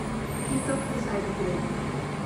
He took the side of labor.